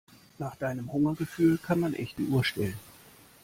Nach deinem Hungergefühl kann man echt die Uhr stellen.